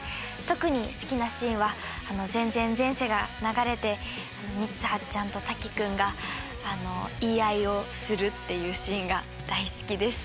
特に好きなシーンは『前前前世』が流れて三葉ちゃんと瀧くんが言い合いをするっていうシーンが大好きです。